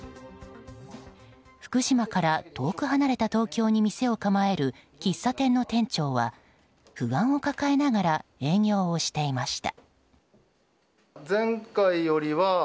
福島から遠く離れた東京に店を構える喫茶店の店長は不安を抱えながら営業をしていました。